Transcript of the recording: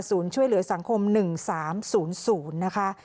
ช่วยเหลือสังคม๑๓๐๐นะคะ